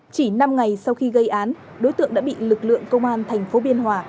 chỉ năm ngày sau khi gây án đối tượng đã bị lực lượng công an thành phố biên hòa